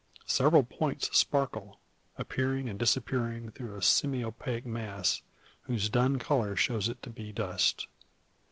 Several points sparkle, appearing and disappearing through a semi opaque mass, whose dun colour shows it to be dust.